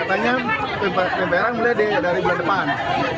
katanya pemperan mulai dari bulan depan